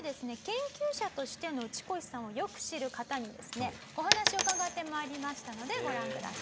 研究者としてのウチコシさんをよく知る方にですねお話を伺って参りましたのでご覧ください。